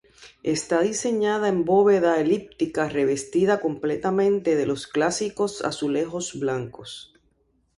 Está diseñada en bóveda elíptica revestida completamente de los clásicos azulejos blancos.